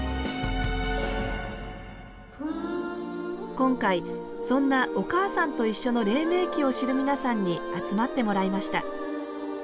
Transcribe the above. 今回そんな「おかあさんといっしょ」の黎明期を知る皆さんに集まってもらいました。